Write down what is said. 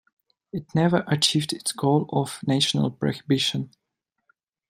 It never achieved its goal of national prohibition.